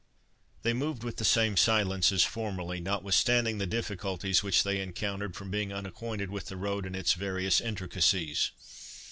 They moved with the same silence as formerly, notwithstanding the difficulties which they encountered from being unacquainted with the road and its various intricacies.